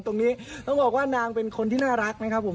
ตรงนี้ต้องบอกว่านางเป็นคนที่น่ารักนะครับผม